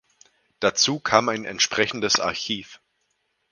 Dazu kam ein entsprechendes Archiv.